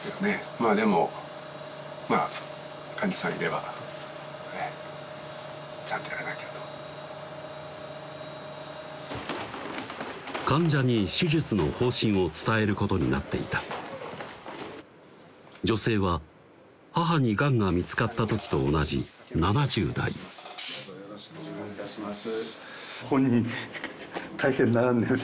まぁでもまぁ患者さんいればねちゃんとやらなきゃと患者に手術の方針を伝えることになっていた女性は母にがんが見つかった時と同じ７０代どうぞよろしくお願いいたします